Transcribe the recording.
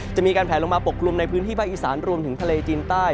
จะมีการแผลลงมาปกกลุ่มในพื้นที่ภาคอีสานรวมถึงทะเลจีนใต้